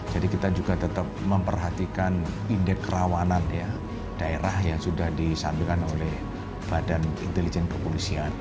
kita juga tetap memperhatikan indeks kerawanan daerah yang sudah disampaikan oleh badan intelijen kepolisian